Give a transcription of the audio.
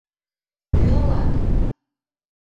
– Кӱ ылат?